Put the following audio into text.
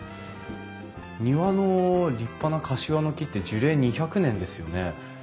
庭の立派なカシワの木って樹齢２００年ですよね？